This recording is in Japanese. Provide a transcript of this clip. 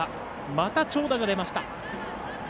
また長打が出ました。